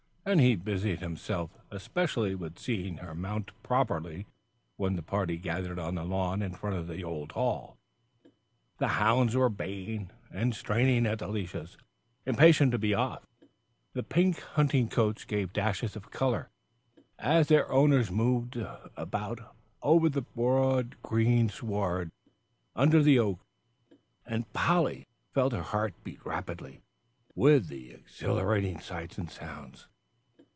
And he busied himself especially with seeing her mounted properly when the party gathered on the lawn in front of the old hall. The hounds were baying and straining at the leashes, impatient to be off; the pink hunting coats gave dashes of colour as their owners moved about over the broad green sward, under the oaks, and Polly felt her heart beat rapidly with the exhilarating sights and sounds.